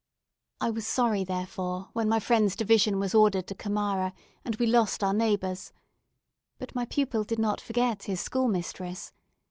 I was sorry, therefore, when my friend's division was ordered to Kamara, and we lost our neighbours. But my pupil did not forget his schoolmistress.